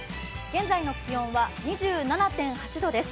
現在の気温は２７．８度です。